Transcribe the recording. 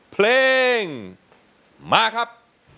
เพลงมาครับ